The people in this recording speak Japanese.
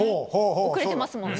遅れてますもんね。